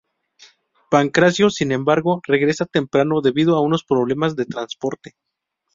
Pancracio, sin embargo, regresa temprano debido a unos problemas de transporte.